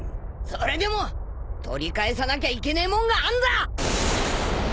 それでも取り返さなきゃいけねえもんがあんだ！